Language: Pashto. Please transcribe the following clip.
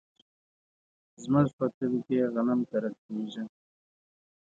زمونږ په کلي کې غنم کرل کیږي.